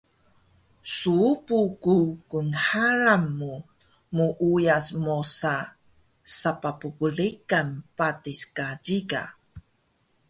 Suupu ku gnxalan mu muuyas mosa sapah bbrigan patis ka ciga